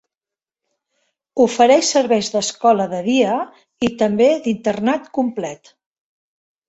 Ofereix serveis d"escola de dia i també d"internat complet.